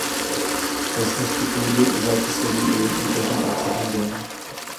Vlastnosti půdy žáci sledují obvykle každý pracovní den.